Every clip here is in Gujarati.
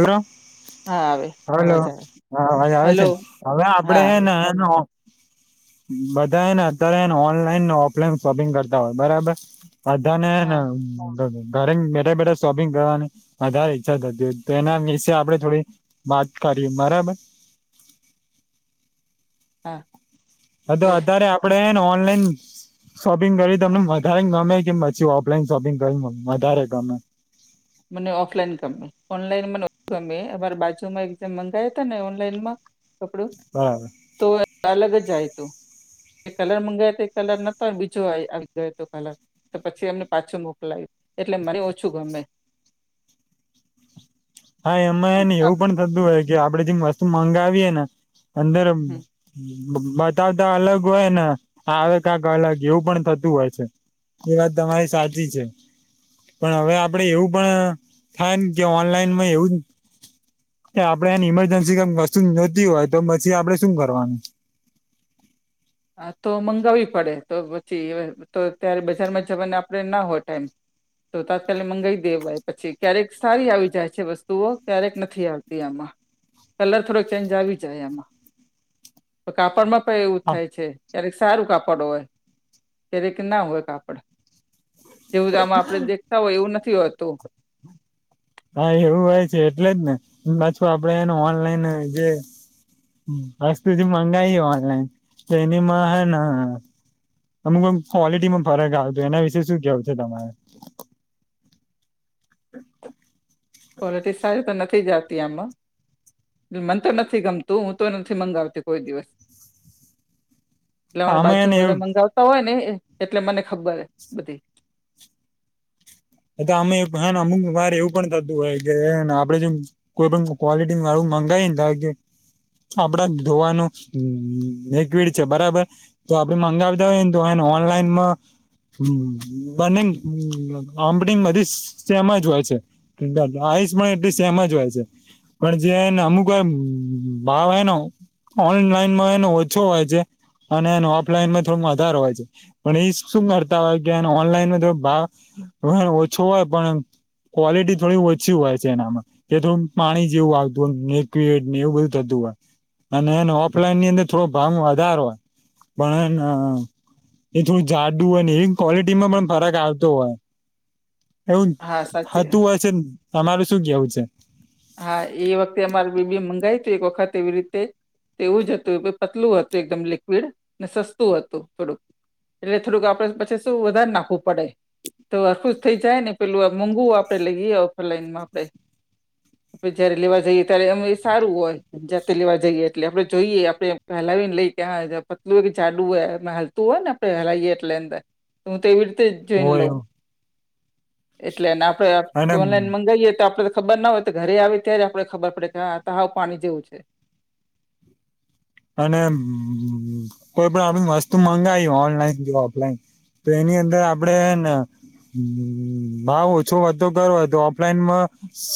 હલો હા આવે હલો અવાજ આવે હા ભાઈ આવે હેલો છે હવે હા આવે આપડેને હ બધા એને અત્યારે એને ઓનલાઈન ને ઓફલાઈન શોપિંગ કરતા હોય બરાબર બધા હા નેને ઘરે બેઠા બેઠા શોપિંગ કરવાની બધા ઈચ્છા તો એના વિશે આપડે થોડી વાત કરી બરાબર હા હ તો બોલ અતારે આપડે ઓનલાઈન શોપિંગ કરી તમને વધારે ગમે કેમ પછી ઓફલાઈન શોપિંગ કરી વધારે ગમે મને ઓફલાઈન ગમે ઓનલાઈન મને ઓછું ગમે અમારે બાજુમાં એક્ જન મંગાયા ત ને ઓનલાઈનમાં કપડું બરાબર તો અલગ જાય તુ જે કલર મંગાય તો એ કલર નતો બીજો આવી ગયો તો કલર તો પછી એમને પાછું મોકલાયું એટલે મને ઓછું ગમે હા એમાં એને આમ એવું પણ થતું હોય કે આપડે જે વસ્તુ મંગાવીએે ને અંદર હમ બતાવતા અલગ હોય ને આવે કંઈક અલગ એવું પણ થતું હોય છે. એ વાત તમારી સાચી છે. પણ હવે આપડે એવું પણ થાય કે ઓનલાઈનમાં એવું કે આપડે એને ઈમરજન્સી ક વસ્તુ નોતી હોય તો પછી આપણે શું કરવાનું હા તો મંગાવવી પડે તો પછી તો ત્યારે બજારમાં જવાને આપડણે ના હોય ટાઈમ. તો તાત્કાલિક મંગાવી દેવાઈ પછી ક્યારેક સારી આવી જાય છે વસ્તુઓ ક્યારેક નથી આવતી આમાં કલર થોડોક ચેન્જ આવી જાય એમાં તો કાપડમાં પણ થાય છે ક્યારેક સારું કાપડ હોય ક્યારેક ના હોય કાપડ જેવું આમાં આપડે દેખતા હોય એવું નથી હોતું. હા એવું હોય છે એટલે જ ને હ છું આપડે એનું ઓનલાઈન જે વસ્ત જે મંગાઈ ઓનલાઈન તો એનીમાં હે અમુકમ આમ ક્વોલિટીમાં ફરક આવતો એના વિશે શું કેવ છે તમાર [inaudible] કોલિટી સારી તો નથી જતી આમાં મન તો નથી ગમતું હું તો નથી મંગાવતી કોઈ દિવસ આમે બાજુ એને માં બધા એવું મંગાવતા હોય ને એટલે મને ખબર બધી એ તો અમે હે અમુક વાર એવું પણ થતું હોય કેને આપડે જેમ કોઈ પણ ક્વોલિટી વાળું મંગાવી ને તો આપડા ધોવાનું લિક્વિડ છે બરાબર. તો આપડે મંગાવ દઈએ ને તો એને ઓનલાઈન હ બને આમડી બધી સેમ જ હોય છે આઈસ પણ એટલી સેમ જ હોય છે. પણ જેને અમુકવાર ભાવ એનો ઓનલાઈનમાં એનો ઓછો હોય છે અને એનો ઓફલાઈનમાં થોડું વધારે હોય છે. પણ એ શું કરતા હોય કે ઓનલાઈન તો ભાવ ઓછો હોય પણ ક્વોલિટી થોડી ઓછી હોય છે એનામાં. કે તો પાણી જેવું આવતું હોય લિકવિડને એવું બધું થતું હોય. અને એને ઓફલાઈન ની અંદર થોડો ભાવ વધાર હોય પણ એ એ થોડું જાડું હોય ને એ ક્વોલિટીમાં પણ ફરક આવતો હોય. એવુ હા સાચી થતું હોય છે તમારૂ શું કેવું છે. હા એ વખતે અમારે બેબી મંગાવી તું એક વખત એવી રીતે એવું જ હતું પતલું હતું એકદમ લિક્વિડ ને સસ્તું હતું થોડુંક એટલે થોડુંક આપડે પછી શું વધારે નાખવું પડે તોર હરખુ જ થઈ જાય ને પેલું આ મોંઘુ આપડે લઈએ ઓફલાઈનમાં આપડે જયારે લેવા જઈએ ત્યારે એમ એ સારું હોય જાતે લેવા જઈએ. એટલે આપણે જોઈએ આપણેે હલાવીને લઈએ હ પતલું હોય કે જાડું હે એમાં હાલતું હોય ને હલાઈએ એટલે અંદર હું તો એવી રીતે જોઈન હોય લઉં. એવું એટલે આપડે અને તો ઓનલાઈન મંગાવીએ તો આપડે તો ખબર ના હોય. ઘરે આવે ત્યારે આપણે ખબર પડે કે આ હાવ પાણી જેવું છે. અને કોઈ પણ આપ વસ્તુ મંગાવી ઓનલાઈન કે ઓફલાઈન તો એની અંદર આપડે હેને હ ભાવ ઓછો વધતો કરવો હોય તો ઓફલાઈનમાં સ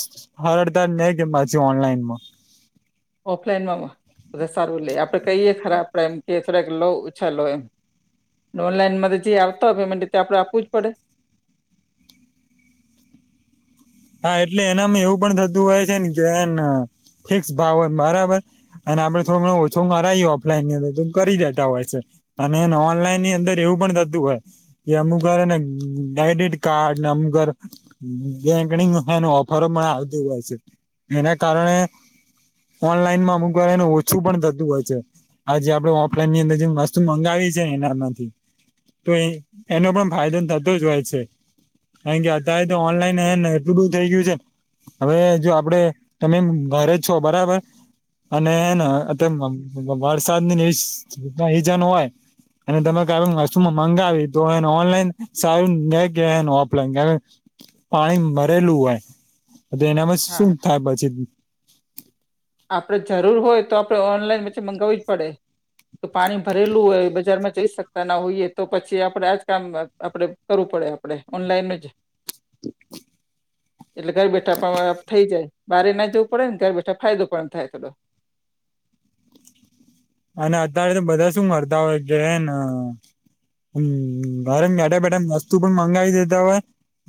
હરડ ત નહી કે પછી ઓનલાઈન માં. ઓફલાઈનમાં સારું લે આપડે કહીએ ખરા આપડે એમ કે થડાક લો ઓછા લો એમ. ઓનલાઈન મા જે આવતા હોય પેમેન્ટ તે આપડે આપવું જ પડે. હા એટલે એનામાં એવું પણ થતું હોય છે ને કે ફિક્સ ભાવ હોય બરાબર અને આપડે થોડો ઘણો ઓછો કરાઈએ ઓફલાઈન ની અંદર તો કરી દેતા હોય છે. અને ઓનલાઈનની અંદર એવું પણ થતું હોય. કે અમુક વાર હને ક્રેડિટ કાર્ડને અમુક વાર બેંક ગણી ઓફરો પણ આવતી હોય છે એના કારણે ઓનલાઈનમાં અમુક વાર એને ઓછું પણ થતું હોય છે. હ જેે આપણે ઓફલાઈન ની અંદર જે વસ્તુ મંગાવી છે ને એનામાંથી. તો એનો હમ પણ ફાયદો થતો જ હોય છે કારણ કે અત્યારે તો હમ ઓનલાઈન હેને. એટડુ થઈ ગયું છે હવે જો આપડે તમે ઘરે જ છો બરાબર અને હન હમ અતારે વરસાદ ની સિઝન હોય અને તમે કોઈ વસ્તુમાં મંગાવી તો એને ઓનલાઈન સારું રે કે ઓફલાઈન? પાણી ભરેલું હોય તો એનામાં શું હા થાય પછી. આપડે જરૂર હોય તો આપડે ઓનલાઈન પછી મગાવવી જ પડે. તો પાણી ભરેલું હોય બજારમાં જઈ શક તા ના હોઈએ તો પછી આપડે આજ કામ આપણે કરવું પડે આપણે ઓનલાઈન જ [unintelligible] એટલે ઘર બેઠા પણ થઈ જાય બારે ના જવું પડે ને ઘર બેઠા ફાયદો પણ થાય થોડો. અને અત્યારે તો બધા શું કરતા હોય કે હેન હમ ઘરે બેઠા બેઠા વસ્તુ પણ મંગાવી દેતા હોય.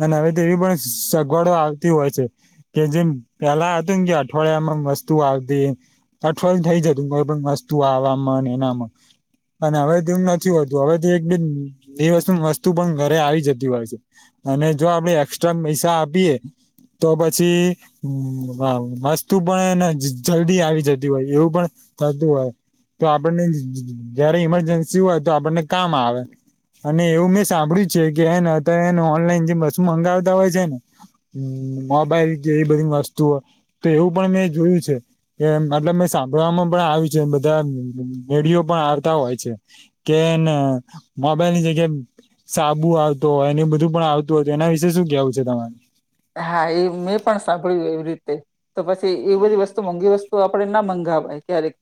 અને હવે તેવી પણ સગવડો આવતી હોય છે. કે જેમ પેલા હતું કે અઠવાડિયામાં વસ્તુ આવતી. અઠવાડિયું થઈ જતું કોઈ પણ વસ્તુ આવામાં એનામાં અને હવે તો એમ નથી હોતું હવે તો એક બેન દિવસ વસ્તુ પણ ઘરે આવી જતી હોય છે. અને જો આપડે એક્સ્ટ્રા પૈસા આપીએ તો પછી વ વસ્તુ હને પણ જલ્દી આવી જતી હોય એવું પણ થતું હોય. તો આપણને જયારે ઈમરજન્સી હોય તો આપણને કામ આવે. અને એવું મેં સાંભળ્યું છે કે એને અત્યારે એને ઓનલાઈન જે વસ્તુ મંગાવતા હોય છે ન હમ મોબાઈલ કે એવી બધી વસ્તુઓ તો એવું પણ મેં જોયું છે કે મતલબ મેં સાંભળવામાં પણ આવ્યું છે બ ધા વીડિયો પણ આવતા હોય છે કે ને મોબાઈલની જગ્યાએ સાબુ આવતો હોય એને બધું પણ આવતું હો હતું એના વિશેે શું કેવું છે તમારે? હા એ મેં પણ સાંભળ્યું એવી રીતે. તો પછી એવી બધી વસ્તુ મોંઘી વસ્તુ આપણે ના મંગાવાય ક્યારેક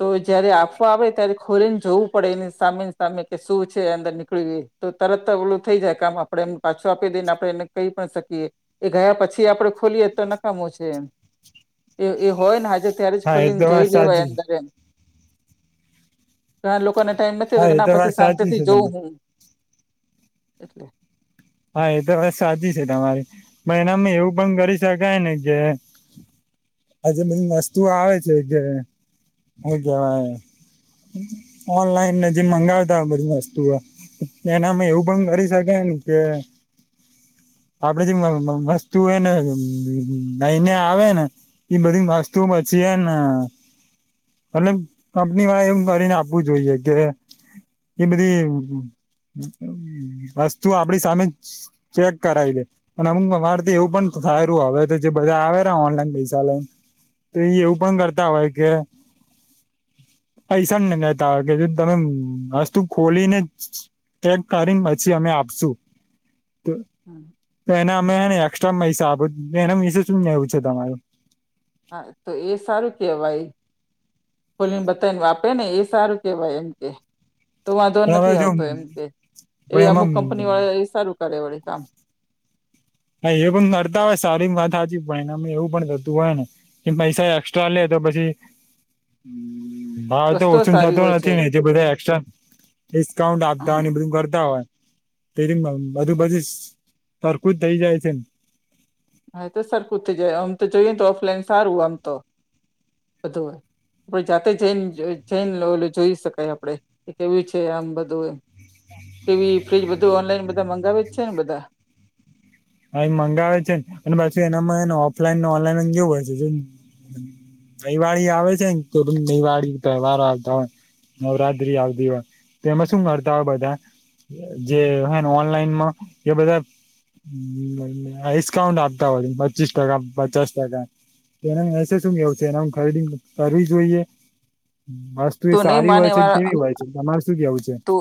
તો જયારે આપવા આવે ત્યારે ખોલી ને જોવું પડે એને સામે સામે કે શું છે અંદર નીકળ્યું એ. તો તરત ઓલું થઈ જાય કામ આપડે એમ પાછો આપી દઈ ને આપડે એને કહી પણ શકીએ. એ ગયા પછી આપડે ખોલીએ તો નકામું છે એ એ હોય ને જે ત્યારે જ હા એ તો ખોલીને વાત જોઈ લેવાય સાચી અંદર એમ. ઘણા લોકોને ટાઈમ નથી હા કે એ તો ના વાત પછી સાચી શાંતિથી છે જોઉં તમારી હું એટલે હા એ તો બસ સાચી છે તમારી પણ એનામાં એવું પણ કરી શકાય ને જે આજે બ વસ્તુ આવે છે જે હું કવાય ઓનલાઈન જે મંગાવતા હો બધી વસ્તુઓ એનામાં એવું પણ કરી શકાય કે આપડે જે વસ્તુ એયને લઈને આવે ને ઈ બધી વસ્તુ બચી એ ને એટલે કંપની માં એમ કરીને આપવું જોઈએ કે એ બધી વસ્તુ આપડી સામે ચેક કરાઈલે અને અમુક અમારેથી એવું પણ થાય રહ્યું હવે તો જે બધા આવે ઓનલાઈન પૈસા લઈને તો એ એવું પણ કરતા હોય કે પૈસા ને લેતા કે જે તમે વસ્તુ ખોલીને ચેક કરીને પછી અમે આપશુ હમ તો એને અમેને એક્સ્ટ્રા પૈસા આપ એના વિશે શું નેવું છે તમારું હા તો એ સારું કેવાય બોલીને બતાવીને વાપે ને એ સારું કેવાય એમ કે તો વાંધો પણ હવે નથી જો આવતો એમ કે પણ એવી અમુક એમાં કંપની વાળા એ સારું કરે વળે કામ હા એ પણ કરતા હોય સારી વાત સાચ પણ ને અમે એવું પણ થતું હોય ને કે પૈસા એક્સ્ટ્રા લે તો પછી હાવ તો વસ્તુઓ ઓછું સારી થતું હોય છે નથી ને જે બધા એક્સટ્રા ડિસ્કાઉન્ટ આપતા હોય એ બધું કરતા હોય તે બજુ બધુ સરખું જ થઈ જાય છે હા તો સરખુંતે જાય આમ તો જોઈએ તો ઓફલાઈન સારું આમ તો બધું હોય આપે જાતે જૈન જૈન લોલ જોઈ શકાય આપડે કે કેવું છે આમ બધું એમ ટીવી ફ્રીજ બધું ઓનલાઈન બધા મંગાવે જ છે ને બધા હા એ મંગાવે છે ને અને પછી એનામાંને ઓફલાઈન ને ઓનલાઈન જેવું હોય છે દહીવાળી આવે છે ને દિવાળી તહેવારો આવતા હોય નવરાત્ર્રી આવદવા તેમાં શું કરતા હોય બધા જે હે ઓનલાઈનમાં એ બધા આસ્કાઉન્ટ આપતા હોય પચીસ ટકા પચાસ ટકા એના મેસેજ શું કેવ છે એના ખરીદીંગ કરવી જોઈએ બસ તું એ નહી સારી માને હોય છે મારા કેવી હોય છે તમારે શું કેવું છે તું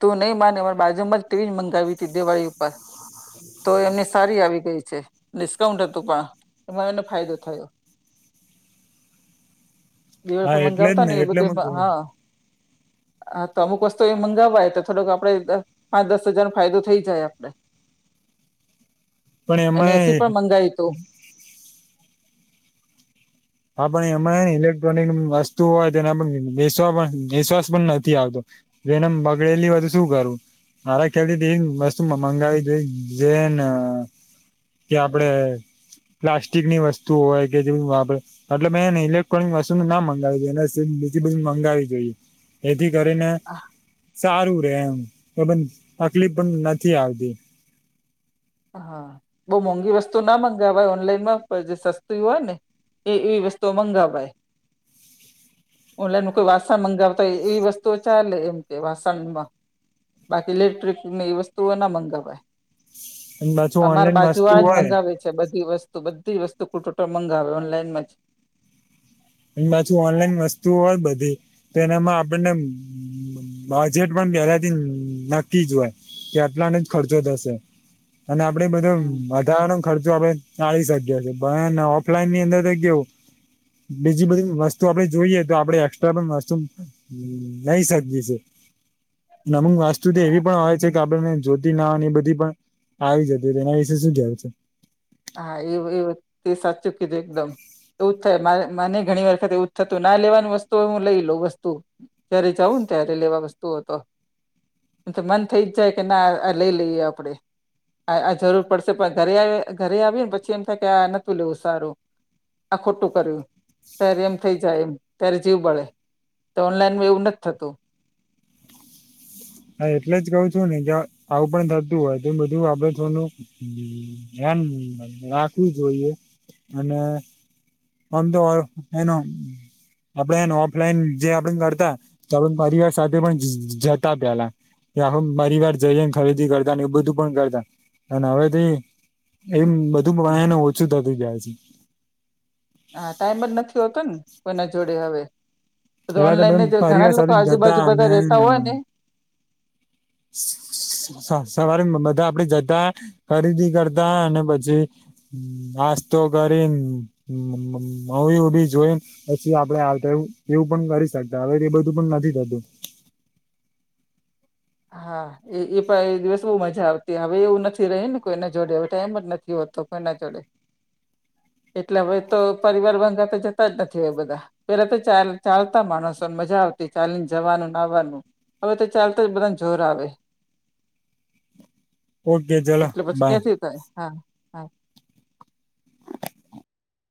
તું નહી માને બાજુમાં જ તેવીજ મંગાવી ત હતી દિવાળી ઉપર તો એમને સારી આવી ગઈ છે ડિસ્કાઉન્ટ હતું પણ એમાં એનો ફાયદો થયો દિવાળી હા પર એટલે જ મંગાવતા ને એ એટલે બધું એમાં [unintelligible] હા હા તો અમુક વસ્તુ એ મંગાવવાય તો થોડોક આપણે પાંચ દસ હજારનોો ફાયદો થઈ જાય આપડણે [inaudible] એને એમાં એસી પણ મંગાવી હત હા પણ એમાં ને ઇલેક્ટ્રોનિક વસ્તુઓ હોય તેના પણ વિશ્વાસ પણ વિશ્વાસ પણ નથી આવતો એને બગડેલી બધું શું કરું મારા કે વસ્તુ મંગાવી જોઈ જેન કે આપડે પ્લાસ્ટિકની વસ્તુ હોય કે જે આપડે એટલે મેંને ઇલેક્ટ્રોનિક વસ્તુ ના મંગાવી જોઈએ એ બીજી બિલ મંગાવી જોઈએ એથી કરીને સારું રે એમ એ તકલીફ પણ નથી આવતી હા બહુ મોંઘી વસ્તુ ના મગાવ ભાઈ ઓનલાઈન માં જે સસ્તું હોય ને એ એવી વસ્તુઓ મંગાવાય. ઓનલાઈન કોઈ વાસણ મંગાવતા હોય એવી વસ્તુઓ ચાલે એમ કે વાસણમાં બાકી ઇલેક્ટ્રિક એ વસ્તુઓ ના મંગાવવાય અને પાછું તમામારે ઓનલાઈન બાજુ વસ્તુ આ જ હોય મંગાવે છે, બધી વસ્તુ બધી વસ્તુ ટોટલ મંગાવે ઓનલાઈનમા પાછું ઓનલાઈન વસ્તુ હોય બધી તો એનામાં આપણને બજેટ પણ પેલા થી નક્કી જ હોય કે આટલાને જ ખર્ચો થશે. અને આપડે બધો હમ વધારા નો ખર્ચો આપડે ચાળી શ્યા છે ઓફલાઈન ની અંદર તો કેવુ બીજી બધી વસ્તુ આપડે જોઈએ તો આપડે એક્સ્ટ્રા પણ વસ્તુ હ નહી સબજીી છે, નમક સુધી હા એવી પણ હોય છે કે આપડેને જ્યોતી ના એ બધી પણ આવી જતી હો તો એના વિશે શું કહેય છે. હા એું એ તે સાચું કી છેું એકદમ એવું જ થાય મને ઘણી વખત એવું જ થતું ના લેવાનું વસ્તુ હો હું લઈ લઉં વસ્તુ જય્યારે જઉું ને ત્યારે લેવા વસ્તુ હતો. તો મન થઈ જ જાય કે ના આ લઈ લઈએ આપડે આ જરૂર પડશે પણ ઘરે ઘરે આવી ને પછી એમ થાય કે આ નતું લેવું સારુ આ ખોટું કર્યું ત્યારે એમ થઇ જાય એમ ત્યારે જીવ બળે તો ઓનલાઈનમાં એવું નથ થતુ. હા એટલે જ કઉ છું ને કે આવું પણ થતું હોય તો બધુ એન રાખવુ જોઈએ અને અંધર એનો આપડે એને ઓફલાઈન જે આપડ કરતા આપડ પરિવાર સાથે પણ જતા. પેલા આખું માંરીવાર જઈને ખરીદી કરતા ને એવું બધું પણ કરતા અને હવે તે એમ બધું બણને ઓછું થતું જાય છે. હા ટાઈમ જ નથી હોતો ને કોઈના જોડે હવે પેલા તો ઓનલાઈન ને પરિવાર ઘણા લોકો સાથે જતા આજુબાજુ અને બધા રેતા હોય ને સવારે બધા આપડે જતા ખરીદી કરતા અને પછી. નાસ્તો કરીને મુવી વુવી જોઈન પછી આપડે આવતા એવું પણ કરી શકતા હવે એ બધું પણ નથી થત. હા એ એ પણ એ દિવસ બહુ મજા આવતી હવે એવું નથી રહી ને કોઈના જોડે હવે ટાઈમ જ નથી હોતો કોઈના જોડે [inaudible] એટલે હવે તો પરિવાર ભંગા તો જતા જ નથી હોવે બધા પેલા તો ચાલ ચાલતા માણસો ને મજા આવતી ચાલીને જવાનું આવાનુ હવે તો ચાલતા જ બધાને જોર આવે ઓકે ચલો એટલે પછી બાય ક્યાંથી થાય હા હા